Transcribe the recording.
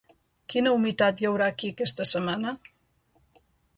Quina humitat hi haurà aquí aquesta setmana?